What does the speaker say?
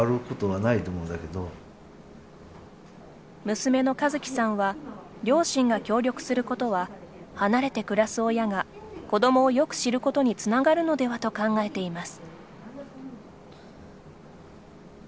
娘の和希さんは両親が協力することは離れて暮らす親が子どもをよく知ることにつながるのではと考えています。